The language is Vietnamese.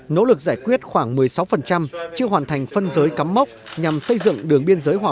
nỗ lực giải quyết khoảng một mươi sáu chưa hoàn thành phân giới cắm mốc nhằm xây dựng đường biên giới hòa